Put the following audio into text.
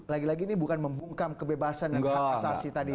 lagi lagi ini bukan membungkam kebebasan dan hak asasi tadi